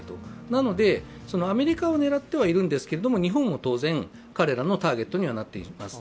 なので、アメリカを狙ってはいるんですけれども日本も当然彼らのターゲットにはなっています。